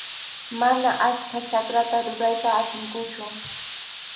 Mana achka chakrata rurayta atinkuchu.